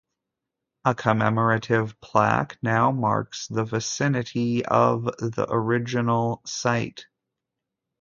A commemorative plaque now marks the vicinity of the original site.